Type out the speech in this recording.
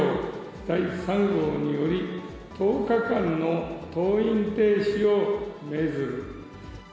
第３号により、１０日間の登院停止を命ずる。